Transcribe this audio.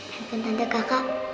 tentu tante kakak